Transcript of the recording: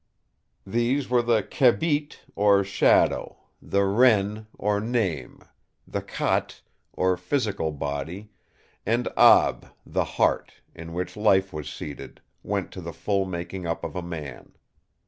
These were the 'Khaibit', or 'shadow', the 'Ren', or 'name', the 'Khat', or 'physical body', and 'Ab', the 'heart', in which life was seated, went to the full making up of a man.